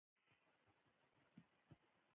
د اعلاناتو بازار څنګه دی؟